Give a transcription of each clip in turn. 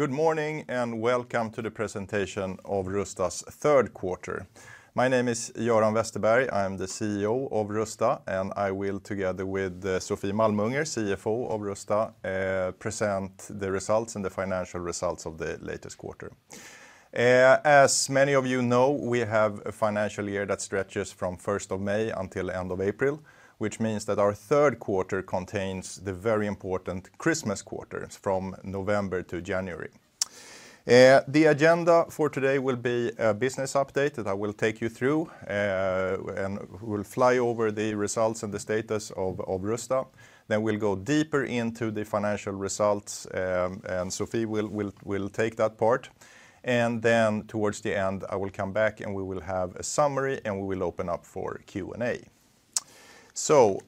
Good morning, and welcome to the presentation of Rusta's third quarter. My name is Göran Westerberg. I'm the CEO of Rusta, and I will, together with Sofie Malmunger, CFO of Rusta, present the results and the financial results of the latest quarter. As many of you know, we have a financial year that stretches from first of May until end of April, which means that our third quarter contains the very important Christmas quarter from November to January. The agenda for today will be a business update that I will take you through, and we'll fly over the results and the status of Rusta. Then we'll go deeper into the financial results, and Sofie will take that part. Then towards the end, I will come back, and we will have a summary, and we will open up for Q&A.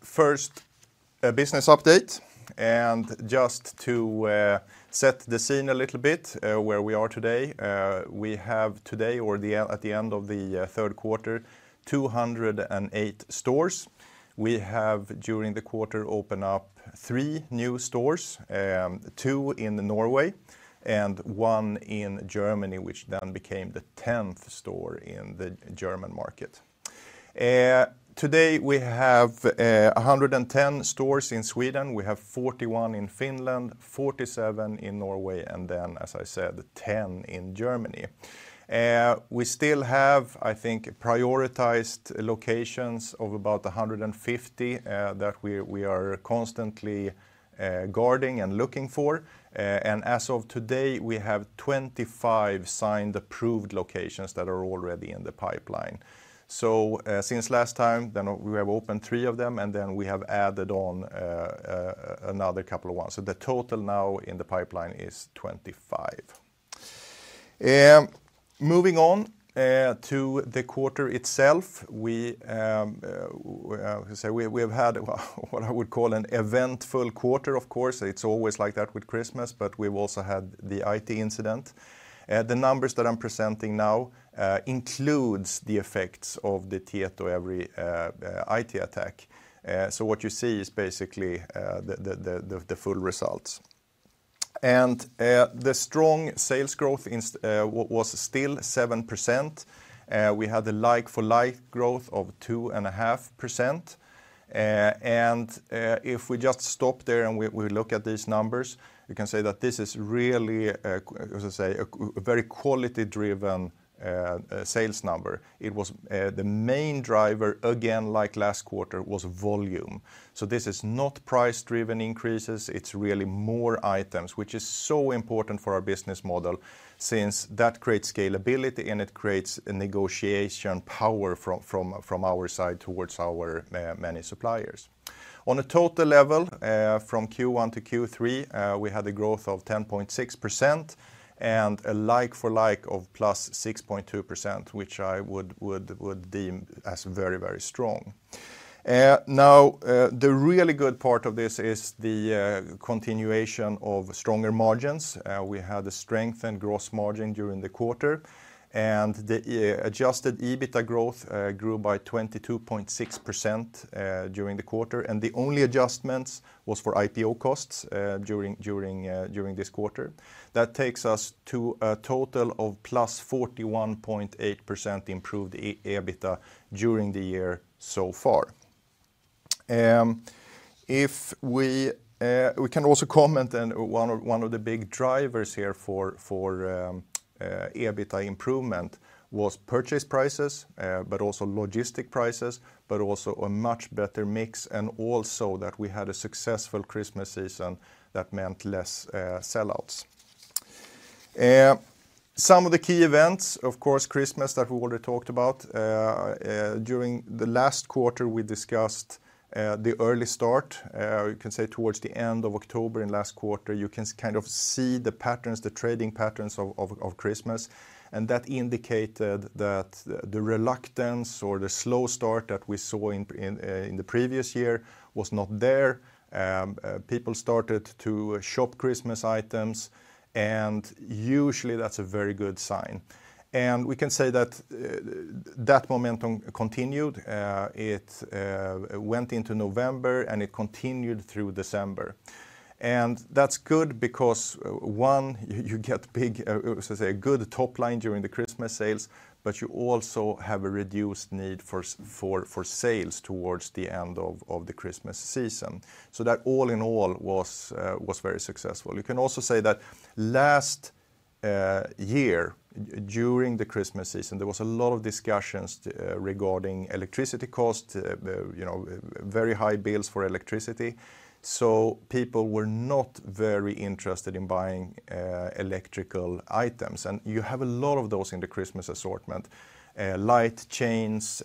First, a business update, and just to set the scene a little bit, where we are today, we have today or at the end of the third quarter, 208 stores. We have, during the quarter, opened up three new stores, two in Norway and one in Germany, which then became the tenth store in the German market. Today, we have 110 stores in Sweden. We have 41 in Finland, 47 in Norway, and then, as I said, 10 in Germany. We still have, I think, prioritized locations of about 150 that we are constantly guarding and looking for. And as of today, we have 25 signed, approved locations that are already in the pipeline. So, since last time, then we have opened three of them, and then we have added on, another couple of ones. So the total now in the pipeline is 25. Moving on to the quarter itself, so we've had what I would call an eventful quarter, of course. It's always like that with Christmas, but we've also had the IT incident. The numbers that I'm presenting now includes the effects of the Tietoevry IT attack. So what you see is basically the full results. And the strong sales growth was still 7%. We had a like-for-like growth of 2.5%. And if we just stop there and we look at these numbers, we can say that this is really, as I say, a very quality-driven sales number. It was. The main driver, again, like last quarter, was volume. So this is not price-driven increases. It's really more items, which is so important for our business model since that creates scalability, and it creates a negotiation power from our side towards our many suppliers. On a total level, from Q1 to Q3, we had a growth of 10.6% and a like-for-like of +6.2%, which I would deem as very, very strong. Now, the really good part of this is the continuation of stronger margins. We had a strengthened gross margin during the quarter, and the Adjusted EBITDA growth grew by 22.6% during the quarter, and the only adjustments was for IPO costs during this quarter. That takes us to a total of +41.8% improved EBITDA during the year so far. If we can also comment on one of, one of the big drivers here for EBITDA improvement was purchase prices, but also logistic prices, but also a much better mix, and also that we had a successful Christmas season that meant less sell-outs. Some of the key events, of course, Christmas, that we already talked about. During the last quarter, we discussed the early start. You can say towards the end of October in last quarter, you can kind of see the patterns, the trading patterns of Christmas, and that indicated that the reluctance or the slow start that we saw in the previous year was not there. People started to shop Christmas items, and usually, that's a very good sign. And we can say that that momentum continued. It went into November, and it continued through December. And that's good because, one, you get big, as I say, a good top line during the Christmas sales, but you also have a reduced need for sales towards the end of the Christmas season. So that, all in all, was very successful. You can also say that last year, during the Christmas season, there was a lot of discussions regarding electricity costs, you know, very high bills for electricity, so people were not very interested in buying electrical items, and you have a lot of those in the Christmas assortment: light chains,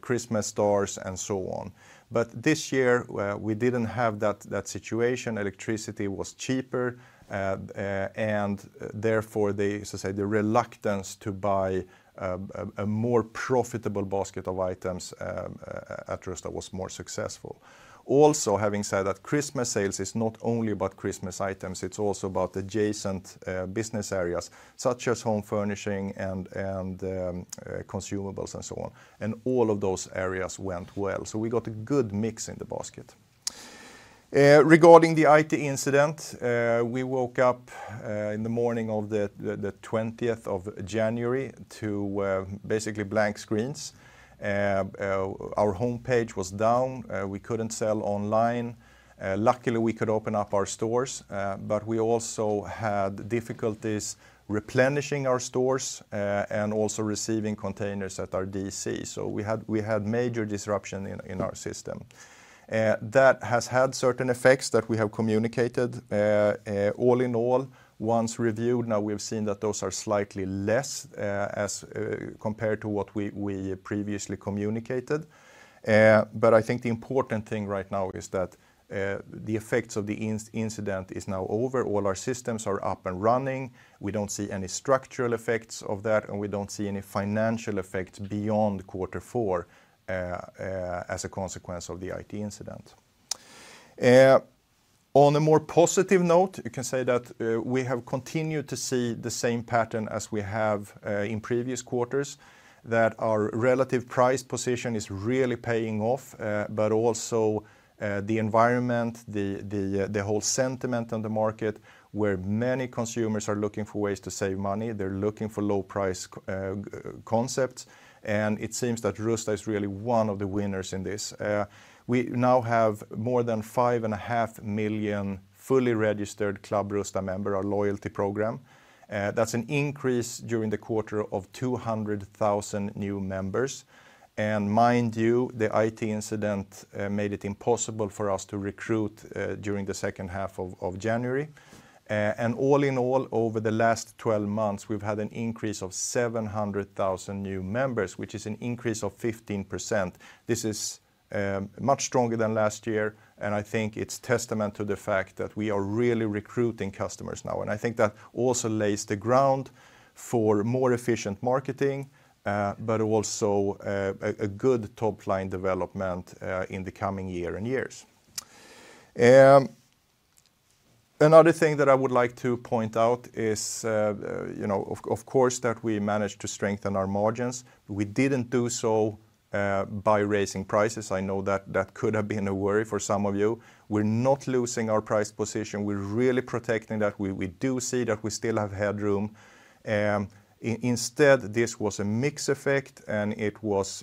Christmas stars, and so on. But this year, we didn't have that situation. Electricity was cheaper, and therefore, as I say, the reluctance to buy a more profitable basket of items at Rusta was more successful. Also, having said that, Christmas sales is not only about Christmas items, it's also about adjacent business areas such as home furnishing and consumables and so on, and all of those areas went well, so we got a good mix in the basket. Regarding the IT incident, we woke up in the morning of the twentieth of January to basically blank screens. Our homepage was down. We couldn't sell online. Luckily, we could open up our stores, but we also had difficulties replenishing our stores and also receiving containers at our DC. So we had major disruption in our system. That has had certain effects that we have communicated. All in all, once reviewed, now we've seen that those are slightly less as compared to what we previously communicated. But I think the important thing right now is that the effects of the incident is now over. All our systems are up and running. We don't see any structural effects of that, and we don't see any financial effects beyond quarter four, as a consequence of the IT incident. On a more positive note, you can say that we have continued to see the same pattern as we have in previous quarters, that our relative price position is really paying off, but also the environment, the whole sentiment on the market, where many consumers are looking for ways to save money. They're looking for low-price concepts, and it seems that Rusta is really one of the winners in this. We now have more than 5.5 million fully registered Club Rusta member, our loyalty program. That's an increase during the quarter of 200,000 new members, and mind you, the IT incident made it impossible for us to recruit during the second half of January. And all in all, over the last 12 months, we've had an increase of 700,000 new members, which is an increase of 15%. This is much stronger than last year, and I think it's testament to the fact that we are really recruiting customers now, and I think that also lays the ground for more efficient marketing, but also a good top-line development in the coming year and years. Another thing that I would like to point out is, you know, of course, that we managed to strengthen our margins. We didn't do so by raising prices. I know that that could have been a worry for some of you. We're not losing our price position. We're really protecting that. We do see that we still have headroom. Instead, this was a mix effect, and it was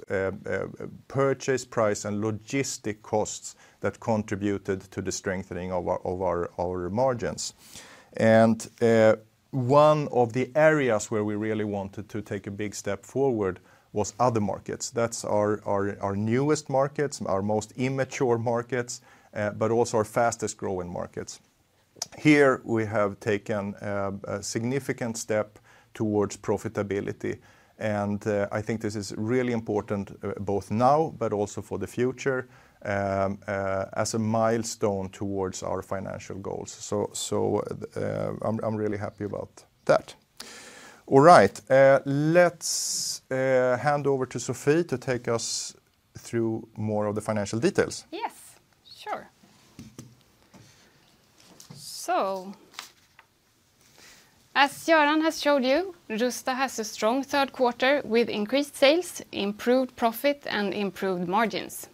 purchase price and logistic costs that contributed to the strengthening of our margins. And one of the areas where we really wanted to take a big step forward was other markets. That's our newest markets, our most immature markets, but also our fastest-growing markets. Here, we have taken a significant step towards profitability, and I think this is really important, both now but also for the future, as a milestone towards our financial goals. So, I'm really happy about that. All right. Let's hand over to Sofie to take us through more of the financial details. Yes, sure. So as Göran has showed you, Rusta has a strong third quarter with increased sales, improved profit, and improved margins.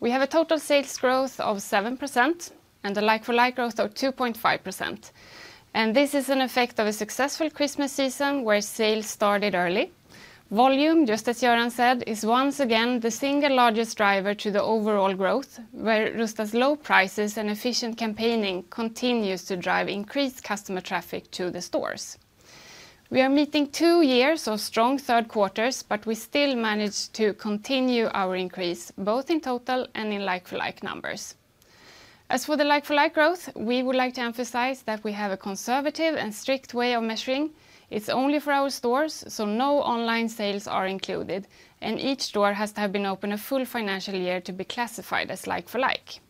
We have a total sales growth of 7% and a like-for-like growth of 2.5%, and this is an effect of a successful Christmas season, where sales started early. Volume, just as Göran said, is once again the single largest driver to the overall growth, where Rusta's low prices and efficient campaigning continues to drive increased customer traffic to the stores. We are meeting two years of strong third quarters, but we still manage to continue our increase, both in total and in like-for-like numbers. As for the like-for-like growth, we would like to emphasize that we have a conservative and strict way of measuring. It's only for our stores, so no online sales are included, and each store has to have been open a full financial year to be classified as like-for-like.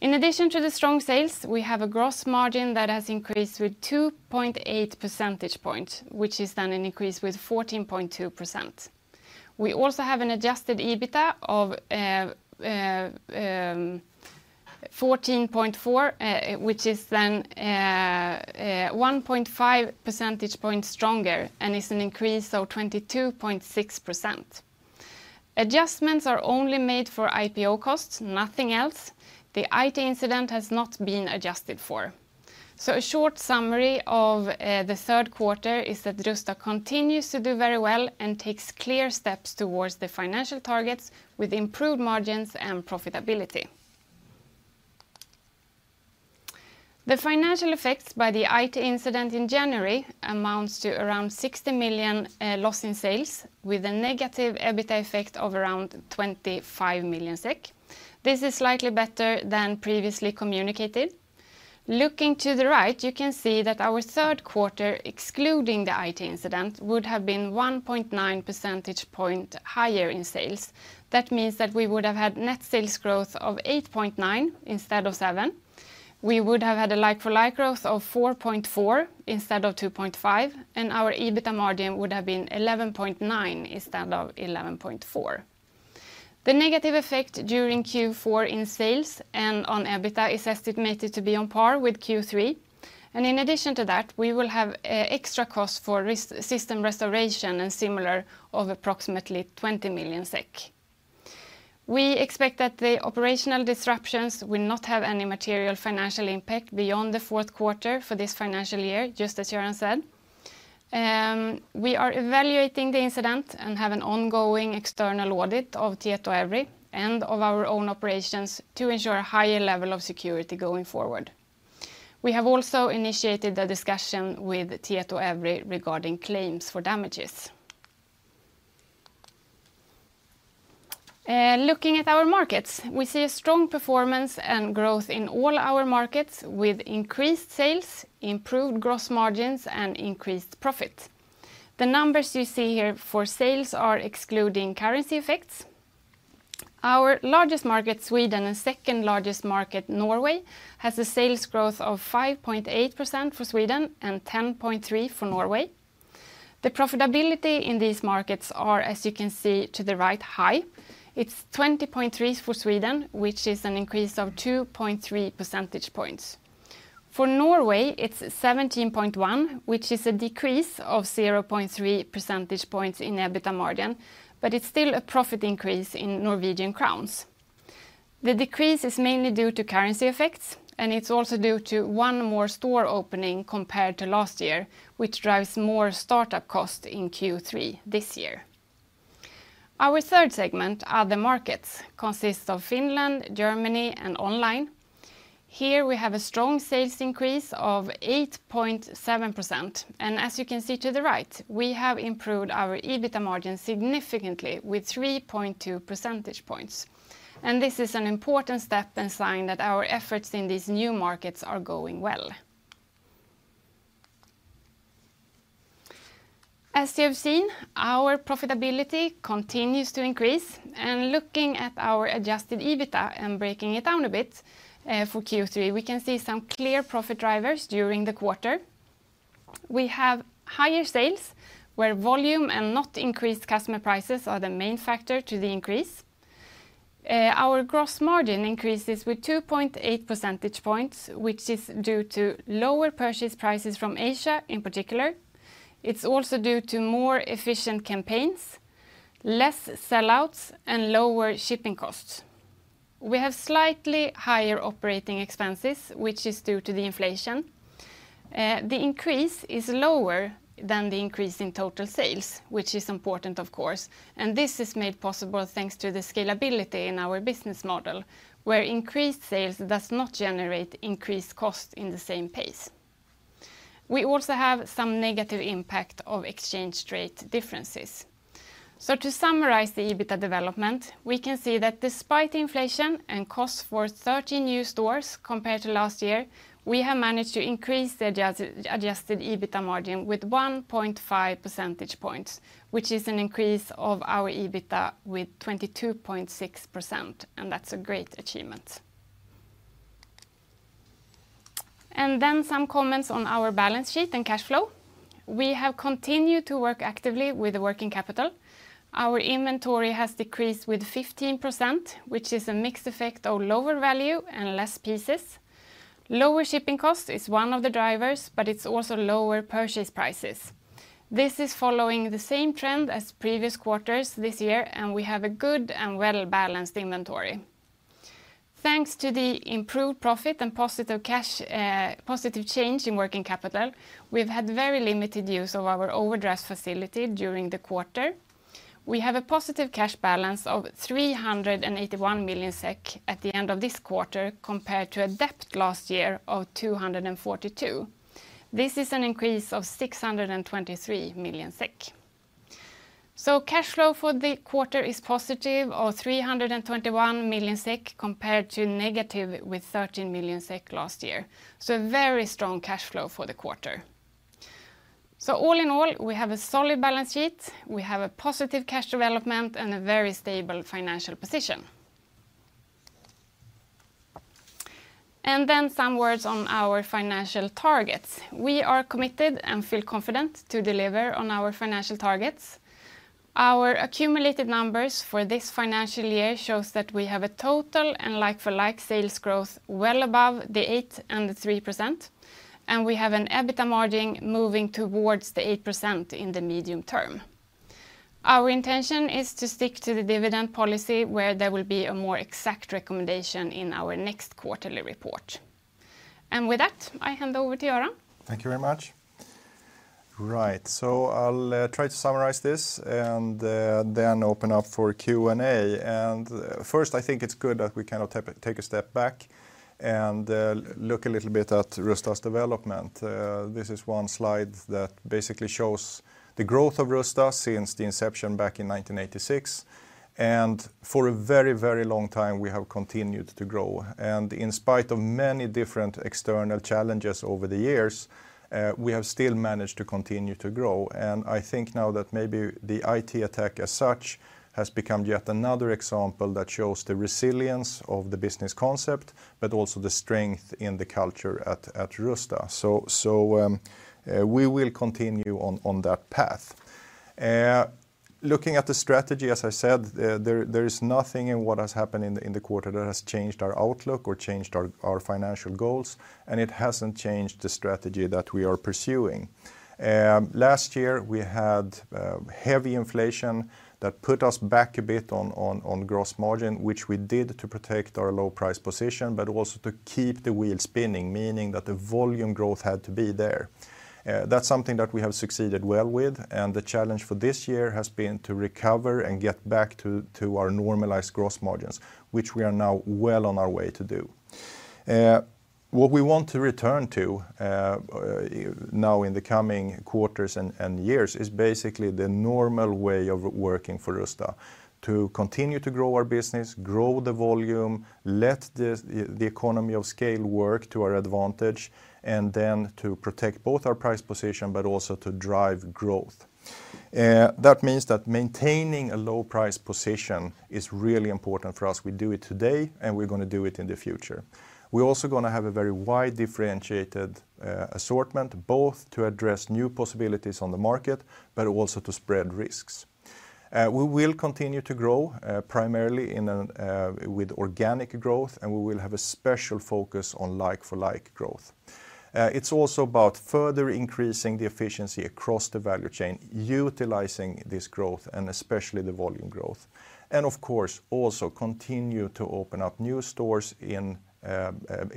In addition to the strong sales, we have a gross margin that has increased with 2.8 percentage point, which is then an increase with 14.2%. We also have an Adjusted EBITA of 14.4, which is then 1.5 percentage point stronger, and it's an increase of 22.6%. Adjustments are only made for IPO costs, nothing else. The IT incident has not been adjusted for. So a short summary of the third quarter is that Rusta continues to do very well and takes clear steps towards the financial targets with improved margins and profitability. The financial effects by the IT incident in January amounts to around 60 million loss in sales, with a negative EBITA effect of around 25 million SEK. This is slightly better than previously communicated. Looking to the right, you can see that our third quarter, excluding the IT incident, would have been 1.9 percentage point higher in sales. That means that we would have had net sales growth of 8.9 instead of 7. We would have had a like-for-like growth of 4.4 instead of 2.5, and our EBITA margin would have been 11.9 instead of 11.4. The negative effect during Q4 in sales and on EBITA is estimated to be on par with Q3. And in addition to that, we will have extra costs for system restoration and similar of approximately 20 million SEK. We expect that the operational disruptions will not have any material financial impact beyond the fourth quarter for this financial year, just as Göran said. We are evaluating the incident and have an ongoing external audit of Tietoevry and of our own operations to ensure a higher level of security going forward. We have also initiated a discussion with Tietoevry regarding claims for damages. Looking at our markets, we see a strong performance and growth in all our markets with increased sales, improved gross margins, and increased profit. The numbers you see here for sales are excluding currency effects. Our largest market, Sweden, and second largest market, Norway, has a sales growth of 5.8% for Sweden and 10.3% for Norway. The profitability in these markets are, as you can see to the right, high. It's 20.3 for Sweden, which is an increase of 2.3 percentage points. For Norway, it's 17.1, which is a decrease of 0.3 percentage points in EBITDA margin, but it's still a profit increase in Norwegian crowns. The decrease is mainly due to currency effects, and it's also due to one more store opening compared to last year, which drives more startup costs in Q3 this year. Our third segment, Other Markets, consists of Finland, Germany, and online. Here, we have a strong sales increase of 8.7%, and as you can see to the right, we have improved our EBITDA margin significantly with 3.2 percentage points, and this is an important step and sign that our efforts in these new markets are going well. As you have seen, our profitability continues to increase, and looking at our Adjusted EBITDA and breaking it down a bit, for Q3, we can see some clear profit drivers during the quarter. We have higher sales, where volume and not increased customer prices are the main factor to the increase. Our gross margin increases with 2.8 percentage points, which is due to lower purchase prices from Asia, in particular. It's also due to more efficient campaigns, less sellouts, and lower shipping costs. We have slightly higher operating expenses, which is due to the inflation. The increase is lower than the increase in total sales, which is important, of course, and this is made possible thanks to the scalability in our business model, where increased sales does not generate increased costs in the same pace. We also have some negative impact of exchange rate differences. So to summarize the EBITDA development, we can see that despite inflation and costs for 13 new stores compared to last year, we have managed to increase the Adjusted EBITDA margin with 1.5 percentage points, which is an increase of our EBITDA with 22.6%, and that's a great achievement. And then some comments on our balance sheet and cash flow. We have continued to work actively with the working capital. Our inventory has decreased with 15%, which is a mixed effect of lower value and less pieces. Lower shipping cost is one of the drivers, but it's also lower purchase prices. This is following the same trend as previous quarters this year, and we have a good and well-balanced inventory. Thanks to the improved profit and positive cash, positive change in working capital, we've had very limited use of our overdraft facility during the quarter. We have a positive cash balance of 381 million SEK at the end of this quarter, compared to a debt last year of 242 million. This is an increase of 623 million SEK. So cash flow for the quarter is positive, or 321 million SEK, compared to negative with 13 million SEK last year, so a very strong cash flow for the quarter. So all in all, we have a solid balance sheet, we have a positive cash development, and a very stable financial position. And then some words on our financial targets. We are committed and feel confident to deliver on our financial targets. Our accumulated numbers for this financial year shows that we have a total and like-for-like sales growth well above the 8% and the 3%, and we have an EBITDA margin moving towards the 8% in the medium term. Our intention is to stick to the dividend policy, where there will be a more exact recommendation in our next quarterly report. With that, I hand over to Göran. Thank you very much. Right, so I'll try to summarize this and then open up for Q&A. First, I think it's good that we kind of take a step back and look a little bit at Rusta's development. This is one slide that basically shows the growth of Rusta since the inception back in 1986, and for a very, very long time, we have continued to grow. In spite of many different external challenges over the years, we have still managed to continue to grow. I think now that maybe the IT attack as such has become yet another example that shows the resilience of the business concept, but also the strength in the culture at Rusta. So we will continue on that path. Looking at the strategy, as I said, there is nothing in what has happened in the quarter that has changed our outlook or changed our financial goals, and it hasn't changed the strategy that we are pursuing. Last year, we had heavy inflation that put us back a bit on gross margin, which we did to protect our low price position, but also to keep the wheel spinning, meaning that the volume growth had to be there. That's something that we have succeeded well with, and the challenge for this year has been to recover and get back to our normalized gross margins, which we are now well on our way to do. What we want to return to now in the coming quarters and years is basically the normal way of working for Rusta, to continue to grow our business, grow the volume, let the economy of scale work to our advantage, and then to protect both our price position but also to drive growth. That means that maintaining a low price position is really important for us. We do it today, and we're gonna do it in the future. We're also gonna have a very wide, differentiated assortment, both to address new possibilities on the market but also to spread risks. We will continue to grow primarily with organic growth, and we will have a special focus on like-for-like growth. It's also about further increasing the efficiency across the value chain, utilizing this growth and especially the volume growth, and of course, also continue to open up new stores in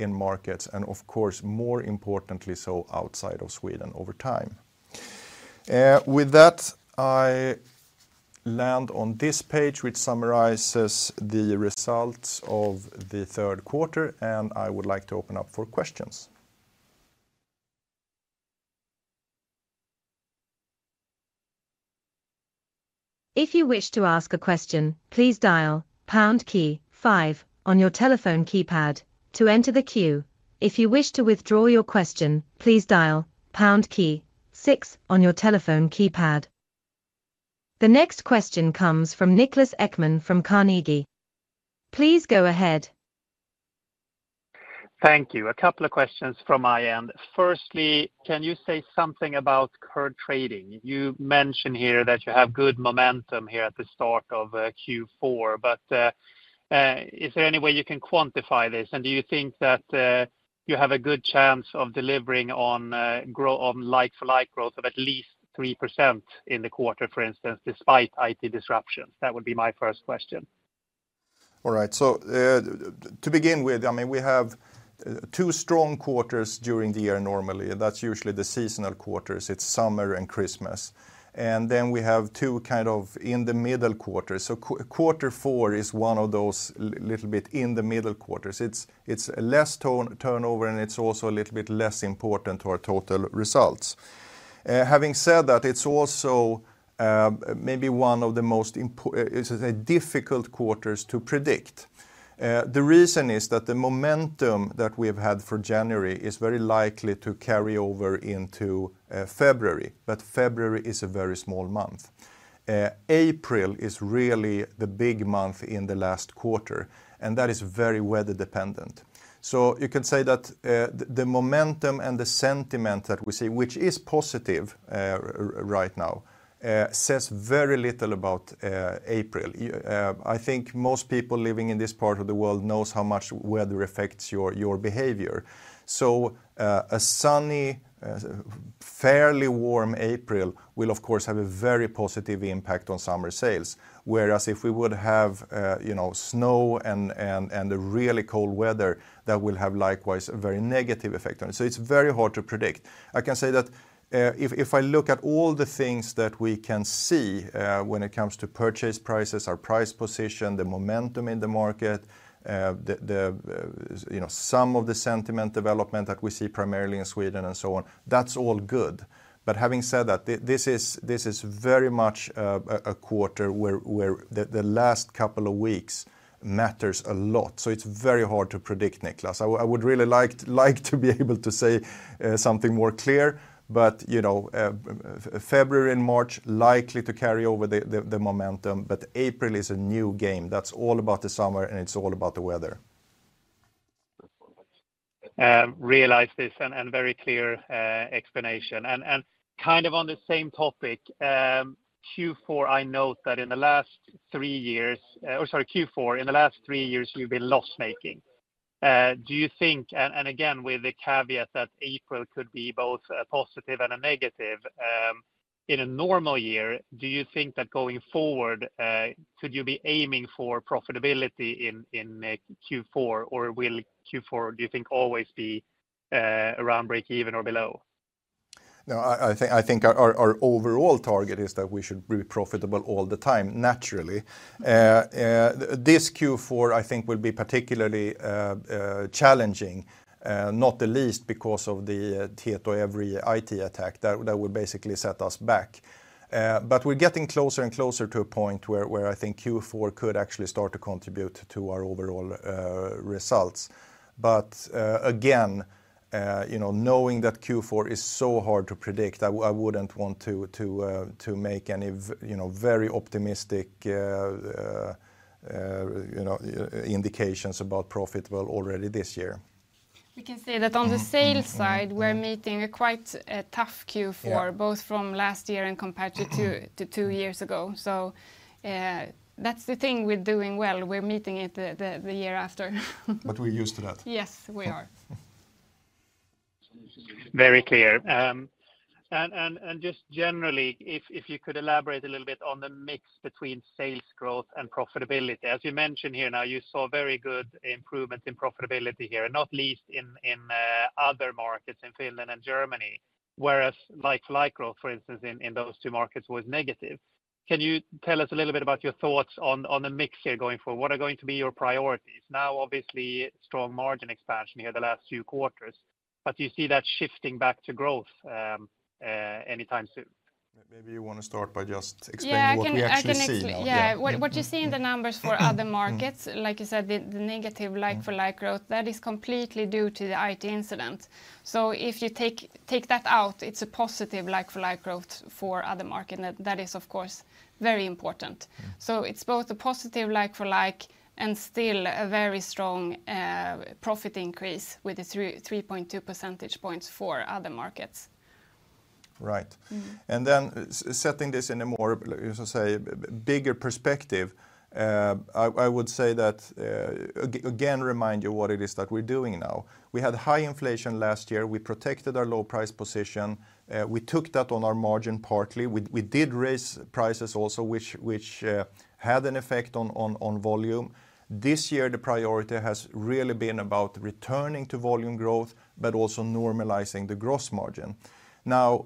markets and, of course, more importantly so outside of Sweden over time. With that, I land on this page, which summarizes the results of the third quarter, and I would like to open up for questions. If you wish to ask a question, please dial pound key five on your telephone keypad to enter the queue. If you wish to withdraw your question, please dial pound key six on your telephone keypad. The next question comes from Niklas Ekman from Carnegie. Please go ahead. Thank you. A couple of questions from my end. Firstly, can you say something about current trading? You mention here that you have good momentum here at the start of Q4, but is there any way you can quantify this? And do you think that you have a good chance of delivering on like-for-like growth of at least 3% in the quarter, for instance, despite IT disruptions? That would be my first question. All right. So, to begin with, I mean, we have two strong quarters during the year normally. That's usually the seasonal quarters. It's summer and Christmas. And then we have two kind of in the middle quarters. So quarter four is one of those little bit in the middle quarters. It's a less turnover, and it's also a little bit less important to our total results. Having said that, it's also maybe one of the most import... It's a difficult quarters to predict. The reason is that the momentum that we've had for January is very likely to carry over into February, but February is a very small month. April is really the big month in the last quarter, and that is very weather dependent. So you can say that the momentum and the sentiment that we see, which is positive right now, says very little about April. I think most people living in this part of the world know how much weather affects your behavior. So a sunny, fairly warm April will, of course, have a very positive impact on summer sales, whereas if we would have you know, snow and the really cold weather, that will have likewise a very negative effect on it. So it's very hard to predict. I can say that, if I look at all the things that we can see, when it comes to purchase prices, our price position, the momentum in the market, you know, some of the sentiment development that we see primarily in Sweden and so on, that's all good. But having said that, this is very much a quarter where the last couple of weeks matters a lot. So it's very hard to predict, Niklas. I would really like to be able to say something more clear, but, you know, February and March likely to carry over the momentum, but April is a new game. That's all about the summer, and it's all about the weather. Realize this and very clear explanation. And kind of on the same topic, Q4, I note that in the last three years, or sorry, Q4, in the last three years, you've been loss-making. Do you think, and again, with the caveat that April could be both a positive and a negative, in a normal year, do you think that going forward, could you be aiming for profitability in Q4, or will Q4, do you think, always be around breakeven or below? No, I think our overall target is that we should be profitable all the time, naturally. This Q4, I think, will be particularly challenging, not the least, because of the Tietoevry IT attack that would basically set us back. But we're getting closer and closer to a point where I think Q4 could actually start to contribute to our overall results. But again, you know, knowing that Q4 is so hard to predict, I wouldn't want to make any very optimistic, you know, indications about profitable already this year. We can say that on the sales side, we're meeting a quite tough Q4- Yeah both from last year and compared to two, to two years ago. So, that's the thing we're doing well. We're meeting it the year after. But we're used to that. Yes, we are. Very clear. And just generally, if you could elaborate a little bit on the mix between sales growth and profitability. As you mentioned here, now, you saw very good improvements in profitability here, and not least in other markets, in Finland and Germany, whereas like-for-like growth, for instance, in those two markets was negative. Can you tell us a little bit about your thoughts on the mix here going forward? What are going to be your priorities? Now, obviously, strong margin expansion here the last two quarters, but do you see that shifting back to growth anytime soon? Maybe you want to start by just explaining what we actually see now. Yeah, I can actually- Yeah. Yeah, what you see in the numbers for Other Markets like you said, the negative like-for-like growth, that is completely due to the IT incident. So if you take that out, it's a positive like-for-like growth for other market, and that is, of course, very important. So it's both a positive like-for-like and still a very strong profit increase with the 3.32 percentage points for other markets. Right. And then setting this in a more, as I say, bigger perspective, I would say that, again, remind you what it is that we're doing now. We had high inflation last year. We protected our low price position. We took that on our margin partly. We did raise prices also, which had an effect on volume. This year, the priority has really been about returning to volume growth but also normalizing the gross margin. Now,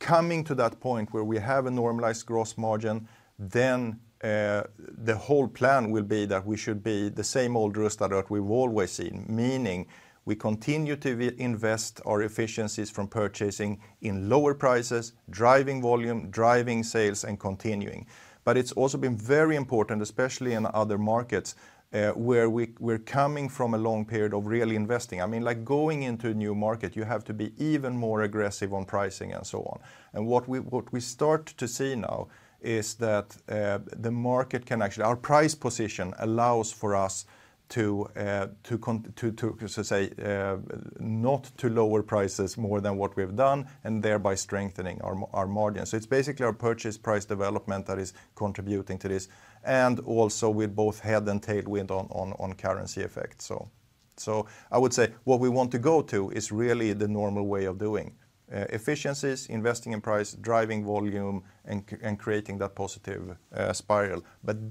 coming to that point where we have a normalized gross margin, then, the whole plan will be that we should be the same old Rusta that we've always seen, meaning we continue to invest our efficiencies from purchasing in lower prices, driving volume, driving sales, and continuing. But it's also been very important, especially in other markets, where we're coming from a long period of really investing. I mean, like, going into a new market, you have to be even more aggressive on pricing and so on. And what we start to see now is that the market can actually... Our price position allows for us to, so to say, not to lower prices more than what we've done, and thereby strengthening our margin. So it's basically our purchase price development that is contributing to this, and also with both head and tailwind on currency effect. So I would say what we want to go to is really the normal way of doing efficiencies, investing in price, driving volume, and creating that positive spiral.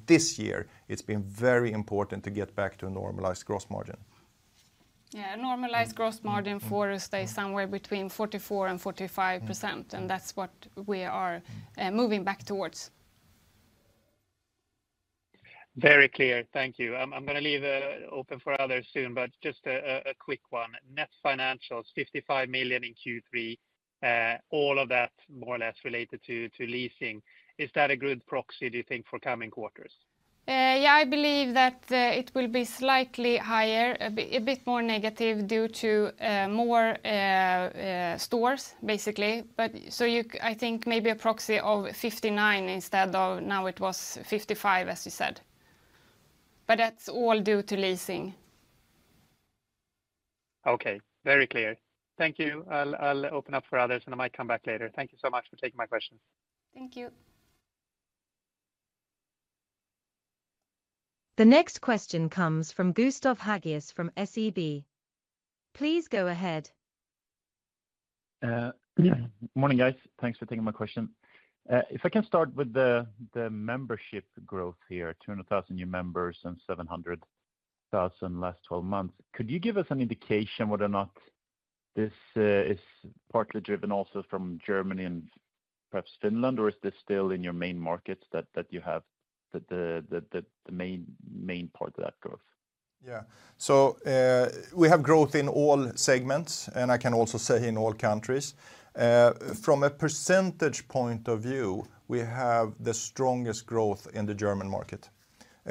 This year, it's been very important to get back to a normalized gross margin. Yeah, a normalized gross margin for us stays somewhere between 44% and 45% and that's what we are moving back towards. Very clear. Thank you. I'm going to leave open for others soon, but just a quick one. Net financials, 55 million in Q3, all of that more or less related to leasing. Is that a good proxy, do you think, for coming quarters? Yeah, I believe that it will be slightly higher, a bit more negative due to more stores, basically. I think maybe a proxy of 59 instead of now it was 55, as you said, but that's all due to leasing. Okay, very clear. Thank you. I'll, I'll open up for others, and I might come back later. Thank you so much for taking my question. Thank you. The next question comes from Gustav Hagéus from SEB. Please go ahead. Good morning, guys. Thanks for taking my question. If I can start with the membership growth here, 200,000 new members and 700,000 last twelve months, could you give us an indication whether or not this is partly driven also from Germany and perhaps Finland, or is this still in your main markets that you have the main part of that growth? Yeah. So, we have growth in all segments, and I can also say in all countries. From a percentage point of view, we have the strongest growth in the German market,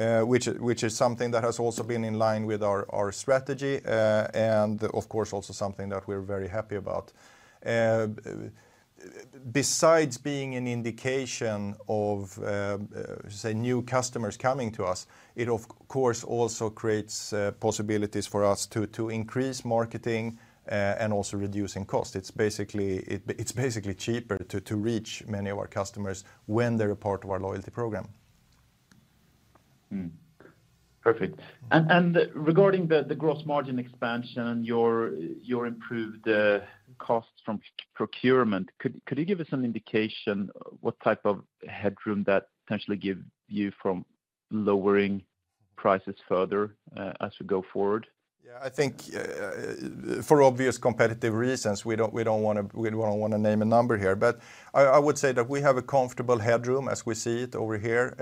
which is something that has also been in line with our strategy, and of course, also something that we're very happy about. Besides being an indication of, say, new customers coming to us, it of course also creates possibilities for us to increase marketing and also reducing cost. It's basically cheaper to reach many of our customers when they're a part of our Loyalty Program. Perfect. And regarding the gross margin expansion, your improved costs from procurement, could you give us an indication what type of headroom that potentially give you from lowering prices further, as we go forward? Yeah, I think, for obvious competitive reasons, we don't want to name a number here. But I would say that we have a comfortable Headroom as we see it over here.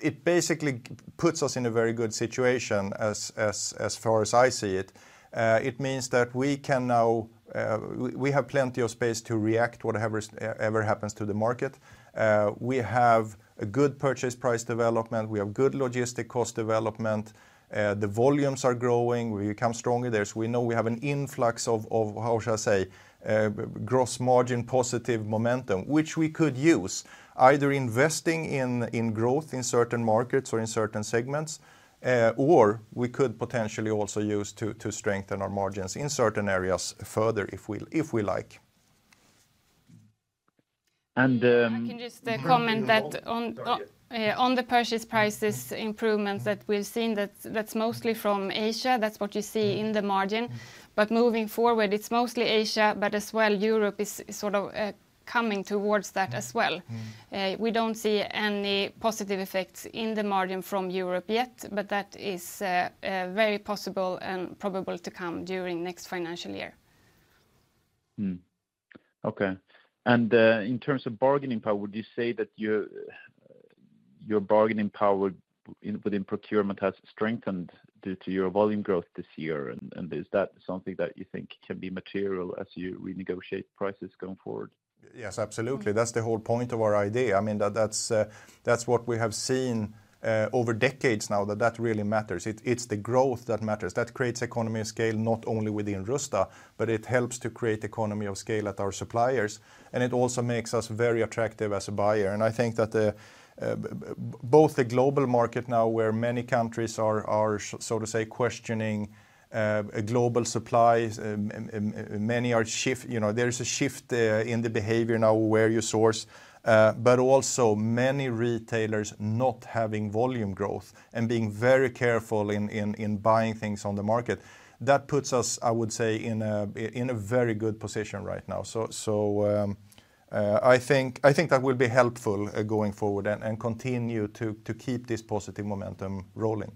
It basically puts us in a very good situation as far as I see it. It means that we can now, we have plenty of space to react, whatever happens to the market. We have a good purchase price development. We have good logistic cost development. The volumes are growing. We come strongly there, so we know we have an influx of how should I say gross margin positive momentum, which we could use, either investing in growth in certain markets or in certain segments, or we could potentially also use to strengthen our margins in certain areas further if we like. I can just comment that on the purchase prices improvements that we've seen, that's mostly from Asia. That's what you see in the margin. But moving forward, it's mostly Asia, but as well, Europe is sort of coming towards that as well. We don't see any positive effects in the margin from Europe yet, but that is very possible and probable to come during next financial year. Okay. And in terms of bargaining power, would you say that your bargaining power within procurement has strengthened due to your volume growth this year? And is that something that you think can be material as you renegotiate prices going forward? Yes, absolutely. That's the whole point of our idea. I mean, that's what we have seen over decades now, that really matters. It's the growth that matters. That creates economy of scale, not only within Rusta, but it helps to create economy of scale at our suppliers, and it also makes us very attractive as a buyer. And I think that the both the global market now, where many countries are so to say, questioning a global supply. You know, there is a shift in the behavior now where you source, but also many retailers not having volume growth and being very careful in buying things on the market. That puts us, I would say, in a very good position right now. So, I think that will be helpful going forward and continue to keep this positive momentum rolling.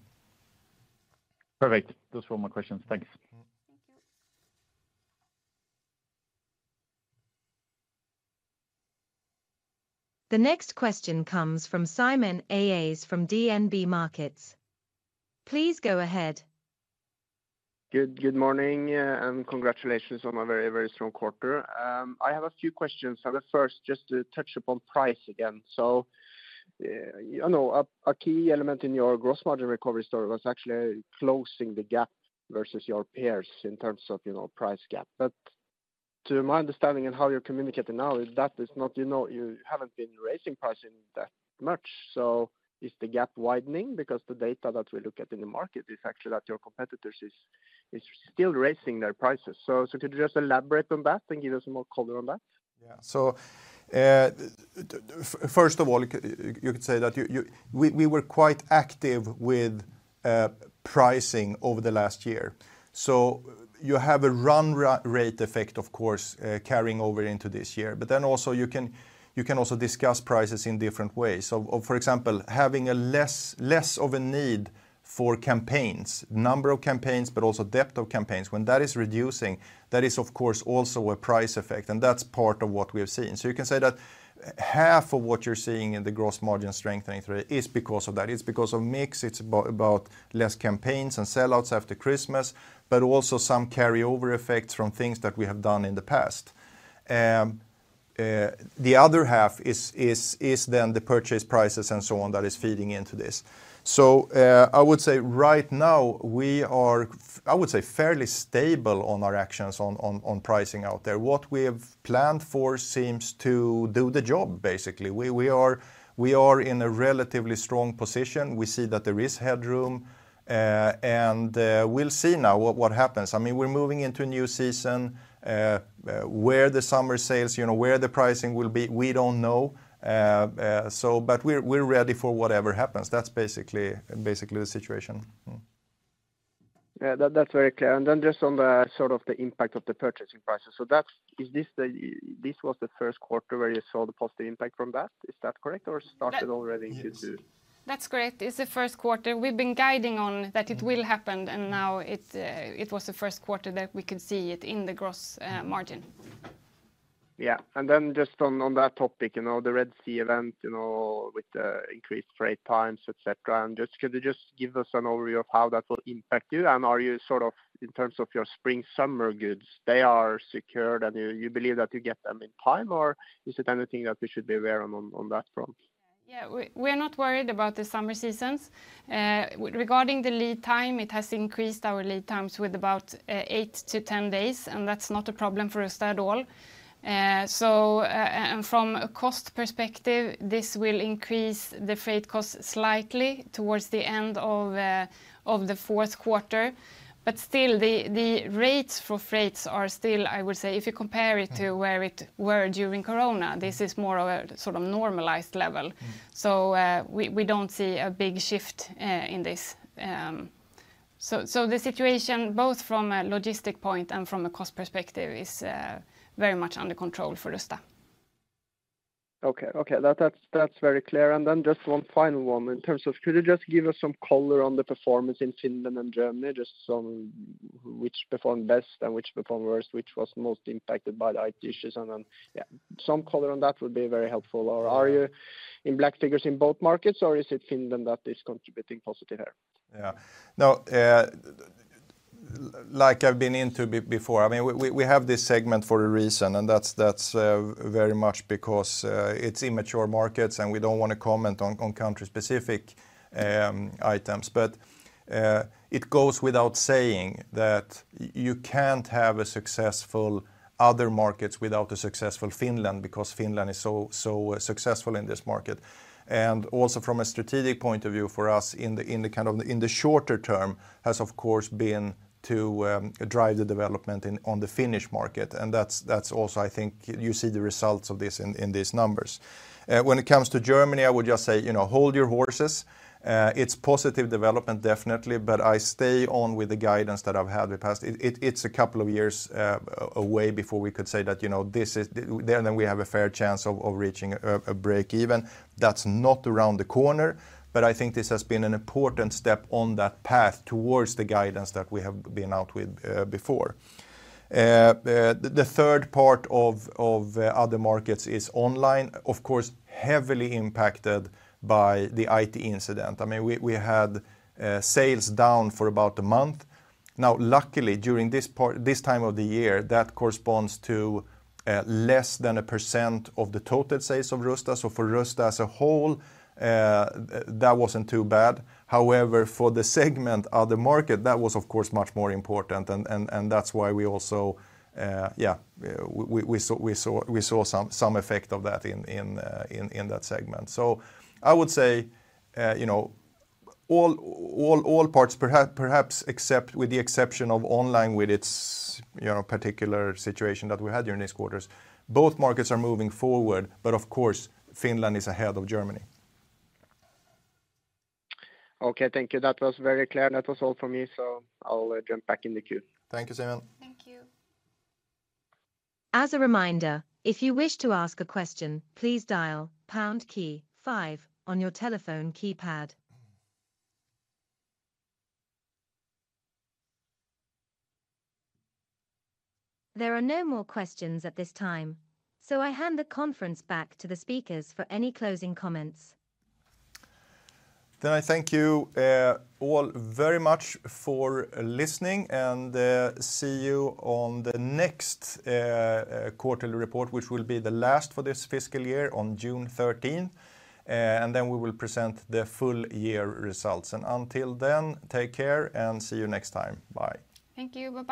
Perfect. Those were all my questions. Thanks. Thank you. The next question comes from Simen Aas from DNB Markets. Please go ahead. Good morning, and congratulations on a very, very strong quarter. I have a few questions. So the first, just to touch upon price again. So, you know, a key element in your gross margin recovery story was actually closing the gap versus your peers in terms of, you know, price gap. But to my understanding in how you're communicating now, is that is not. You know, you haven't been raising prices that much, so is the gap widening? Because the data that we look at in the market is actually that your competitors is still raising their prices. So, so could you just elaborate on that and give us more color on that? Yeah. So, first of all, you could say that we were quite active with pricing over the last year. So you have a run rate effect, of course, carrying over into this year. But then also you can discuss prices in different ways. So, for example, having less of a need for campaigns, number of campaigns, but also depth of campaigns. When that is reducing, that is, of course, also a price effect, and that's part of what we have seen. So you can say that half of what you're seeing in the gross margin strengthening is because of that. It's because of mix, it's about less campaigns and sellouts after Christmas, but also some carryover effects from things that we have done in the past. The other half is then the purchase prices and so on, that is feeding into this. So, I would say right now we are fairly stable on our actions on pricing out there. What we have planned for seems to do the job, basically. We are in a relatively strong position. We see that there is headroom, and we'll see now what happens. I mean, we're moving into a new season, where the summer sales, you know, where the pricing will be, we don't know. So but we're ready for whatever happens. That's basically the situation. Yeah, that's very clear. And then just on the sort of impact of the purchasing prices. So that's... Is this the first quarter where you saw the positive impact from that? Is that correct, or it started already in the- Yes. That's correct. It's the first quarter. We've been guiding on that it will happen, and now it, it was the first quarter that we could see it in the gross margin. Yeah. And then just on, on that topic, you know, the Red Sea event, you know, with the increased freight times, et cetera, and just... Could you just give us an overview of how that will impact you? And are you sort of, in terms of your spring/summer goods, they are secured, and you, you believe that you get them in time, or is it anything that we should be aware on, on, on that front? Yeah, we, we're not worried about the summer seasons. Regarding the lead time, it has increased our lead times with about 8-10 days, and that's not a problem for Rusta at all. So, and from a cost perspective, this will increase the freight costs slightly towards the end of the fourth quarter. But still, the rates for freights are still, I would say, if you compare it to where it were during Corona, this is more of a sort of normalized level. So, we don't see a big shift in this. So, the situation, both from a logistics point and from a cost perspective, is very much under control for Rusta. Okay, okay. That's very clear. And then just one final one, in terms of could you just give us some color on the performance in Finland and Germany, just some, which performed best and which performed worst, which was most impacted by the IT issues and then. Yeah, some color on that would be very helpful. Or are you in black figures in both markets, or is it Finland that is contributing positive here? Yeah. Now, like I've been before, I mean, we have this segment for a reason, and that's very much because it's immature markets, and we don't wanna comment on country-specific items. But it goes without saying that you can't have a successful other markets without a successful Finland, because Finland is so successful in this market. And also from a strategic point of view for us in the shorter term, has, of course, been to drive the development in on the Finnish market, and that's also I think you see the results of this in these numbers. When it comes to Germany, I would just say, you know, hold your horses. It's positive development, definitely, but I stay on with the guidance that I've had in the past. It's a couple of years away before we could say that, you know, this is, then we have a fair chance of reaching a break even. That's not around the corner, but I think this has been an important step on that path towards the guidance that we have been out with before. The third part of other markets is online, of course, heavily impacted by the IT incident. I mean, we had sales down for about a month. Now, luckily, during this time of the year, that corresponds to less than 1% of the total sales of Rusta. So for Rusta as a whole, that wasn't too bad. However, for the segment of the market, that was, of course, much more important, and that's why we also saw some effect of that in that segment. So I would say, you know, all parts perhaps except with the exception of online, with its, you know, particular situation that we had during this quarters, both markets are moving forward. But of course, Finland is ahead of Germany. Okay, thank you. That was very clear, and that was all for me, so I'll jump back in the queue. Thank you, Simen. Thank you. As a reminder, if you wish to ask a question, please dial pound key five on your telephone keypad. There are no more questions at this time, so I hand the conference back to the speakers for any closing comments. Then I thank you, all very much for listening, and see you on the next quarterly report, which will be the last for this fiscal year on June 13th. And then we will present the full year results. And until then, take care and see you next time. Bye. Thank you. Bye-bye.